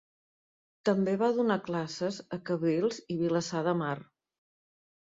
També va donar classes a Cabrils i Vilassar de Mar.